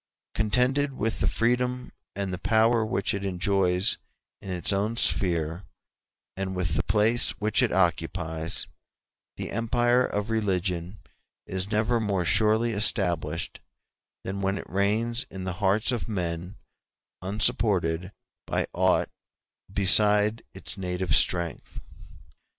Contented with the freedom and the power which it enjoys in its own sphere, and with the place which it occupies, the empire of religion is never more surely established than when it reigns in the hearts of men unsupported by aught beside its native strength.